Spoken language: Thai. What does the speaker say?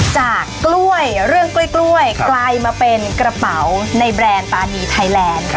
จากกล้วยเรื่องกล้วยกลายมาเป็นกระเป๋าในแบรนด์ตานีไทยแลนด์